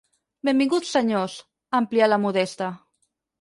Benvinguts, senyors –amplià la Modesta.